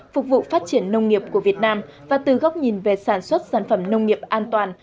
phục vụ phát triển nông nghiệp của việt nam và từ góc nhìn về sản xuất sản phẩm nông nghiệp an toàn